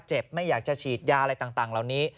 ไม่อยากจะฉีดยาอะไรต่างเหล่านี้